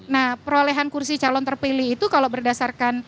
nah perolehan kursi calon terpilih itu kalau berdasarkan